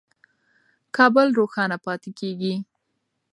کابل روښانه پاتې کېږي.